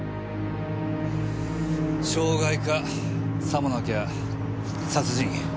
傷害かさもなきゃ殺人。